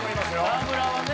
川村はね